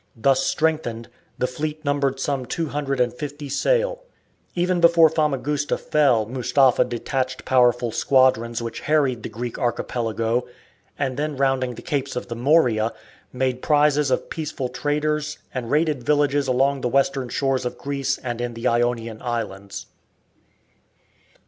Thus strengthened, the fleet numbered some two hundred and fifty sail. Even before Famagusta fell Mustapha detached powerful squadrons which harried the Greek archipelago, and then rounding the capes of the Morea, made prizes of peaceful traders and raided villages along the western shores of Greece and in the Ionian islands.